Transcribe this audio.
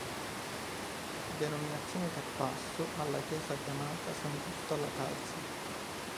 Denominazione che passo alla chiesa chiamata San Giusto alla Calza.